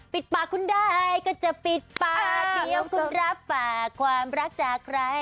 ปิดปากคุณได้ก็จะปิดปากเดี๋ยวคุณรับฝากความรักจากใคร